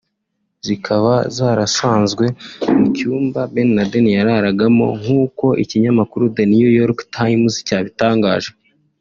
zikaba zarasanzwe mu cyumba Ben Laden yararagamo nk’uko ikinyamakuru The New York Times cyabitangaje